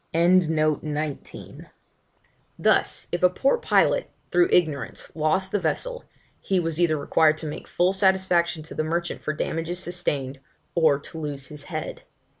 Thus, if a poor pilot, through ignorance, lost the vessel, he was either required to make full satisfaction to the merchant for damages sustained, or to lose his head.